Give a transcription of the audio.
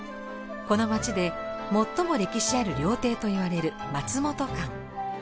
この町で最も歴史ある料亭といわれる松本館。